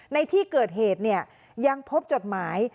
ในที่เกิดเหตุยังพบจดหมาย